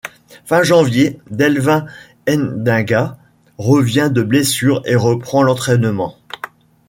Fin janvier, Delvin Ndinga revient de blessure et reprend l'entraînement.